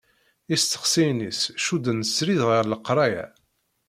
Isteqsiyen-is cudden srid ɣer leqraya.